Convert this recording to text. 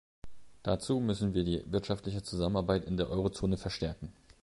Dazu müssen wir die wirtschaftliche Zusammenarbeit in der Eurozone verstärken.